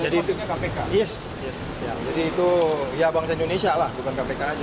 jadi itu ya banksa indonesia lah bukan kpk aja